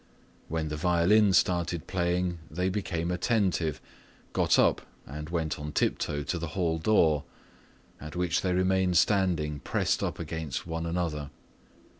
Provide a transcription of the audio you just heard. When the violin started playing, they became attentive, got up, and went on tiptoe to the hall door, at which they remained standing pressed up against one another.